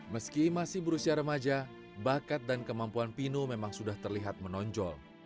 meski masih berusia remaja bakat dan kemampuan pino memang sudah terlihat menonjol